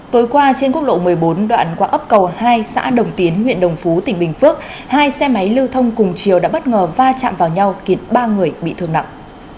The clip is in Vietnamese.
tối qua trên quốc lộ một mươi bốn đoạn qua ấp cầu hai xã đồng tiến huyện đồng phú tỉnh bình phước hai xe máy lưu thông cùng chiều đã bất ngờ va chạm vào nhau khiến ba người bị thương nặng